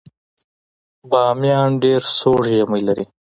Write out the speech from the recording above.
بامیان ډیر سوړ ژمی لري